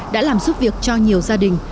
đã làm giúp việc cho nhiều gia đình